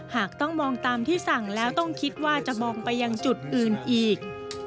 หากต้องมองตามที่สั่งแล้วต้องคิดว่าจะมองไปยังจุดอื่นอีก